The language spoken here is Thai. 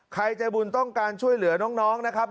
ใจบุญต้องการช่วยเหลือน้องนะครับ